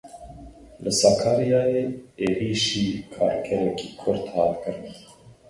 Li Sakaryayê êrişî karkerekî Kurd hat kirin.